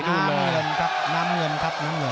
นรินทร์ธรรมีรันดร์อำนาจสายฉลาด